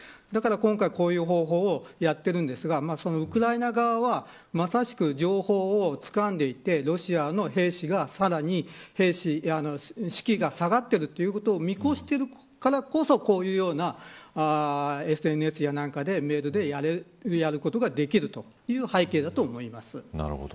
だから今回、こういう方法をやっていると思いますがウクライナ側はまさしく情報をつかんでいてロシアの兵士が、さらに士気が下がっているということを見越しているからこそこういうようなＳＮＳなどでやることができる背景だと思います。